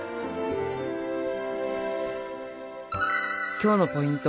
今日のポイント。